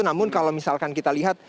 namun kalau misalkan kita lihat